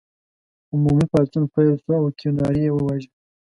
عمومي پاڅون پیل شو او کیوناري یې وواژه.